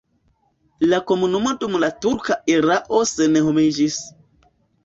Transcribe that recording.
La komunumo dum la turka erao senhomiĝis.